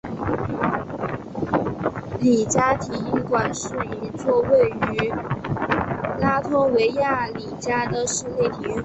里加体育馆是一座位于拉脱维亚里加的室内体育馆。